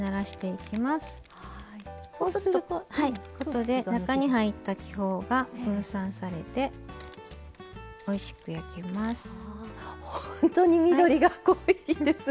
ことで中に入った気泡が分散されておいしく焼けます。